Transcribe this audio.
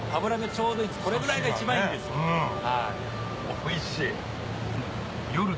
おいしい！